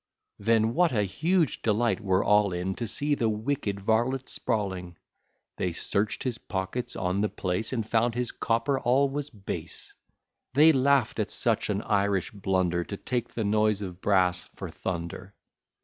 Then what a huge delight were all in, To see the wicked varlet sprawling; They search'd his pockets on the place, And found his copper all was base; They laugh'd at such an Irish blunder, To take the noise of brass for thunder.